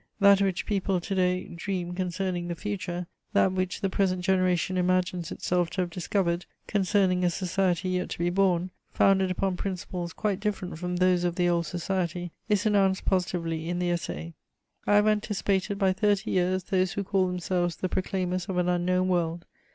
That which people to day dream concerning the future, that which the present generation imagines itself to have discovered concerning a society yet to be born, founded upon principles quite different from those of the old society, is announced positively in the Essai. I have anticipated by thirty years those who call themselves the proclaimers of an unknown world.